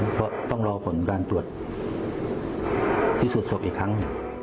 เพราะต้องรอผลการตรวจพิสูจน์ศพอีกครั้ง